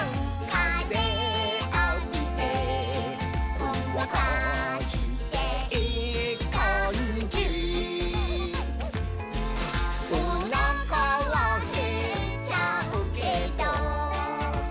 「かぜあびてほんわかしていいかんじ」「おなかはへっちゃうけど」